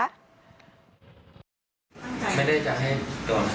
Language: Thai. พ่อผมก็เหมือนแบบไม่อยากคุยแล้ว